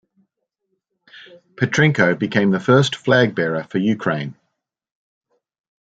Petrenko became the first flagbearer for Ukraine.